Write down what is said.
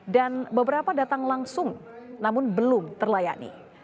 dan beberapa datang langsung namun belum terlayani